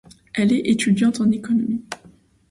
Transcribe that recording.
Elle est étudiante en économie.